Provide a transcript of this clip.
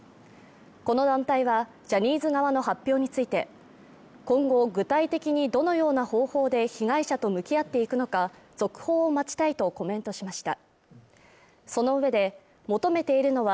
この団体は、ジャニーズ側の発表について今後具体的にどのような方法で被害者と向き合っていくのか、続報を待ちたいとコメントしました。